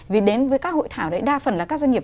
vì đến với các hội thảo đấy đa phần là các doanh nghiệp